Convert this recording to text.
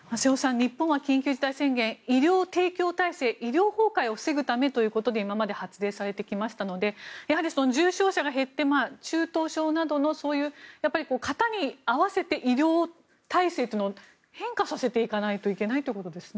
日本は緊急事態宣言医療提供体制医療崩壊を防ぐためということで今まで発令されてきましたのでやはり、重症者が減って中等症などの方に合わせて医療体制を変化させていかないといけないということですね。